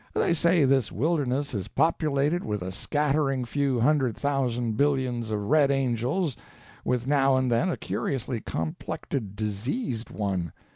They say this wilderness is populated with a scattering few hundred thousand billions of red angels, with now and then a curiously complected diseased one.